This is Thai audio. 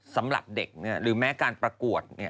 สำหรับเด็กหรือแม้การประกวดเนี่ย